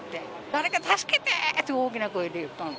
「誰か助けて！」って大きな声で言ったの。